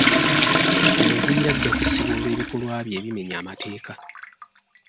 Omugwira ajja kusibwa olw'ebikolwa bye ebimenya amateeka.